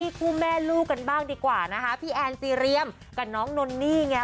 คู่แม่ลูกกันบ้างดีกว่านะคะพี่แอนซีเรียมกับน้องนนนี่ไง